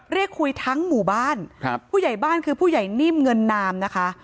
เรียกคุยทั้งหมู่บ้านครับผู้ใหญ่บ้านคือผู้ใหญ่นิ่มเงินนามนะคะ